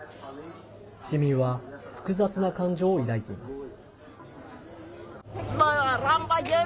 市民は複雑な感情を抱いています。